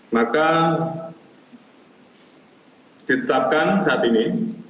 maka ditetapkan saat ini